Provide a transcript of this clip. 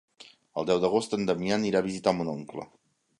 El deu d'agost en Damià anirà a visitar mon oncle.